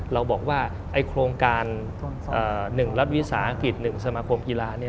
เราบอกว่าโครงการ๑รัฐวิสาหกิจ๑สมาคมกีฬา